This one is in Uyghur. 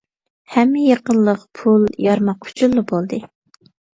ھەممە يېقىنلىق پۇل، يارماق ئۈچۈنلا بولدى.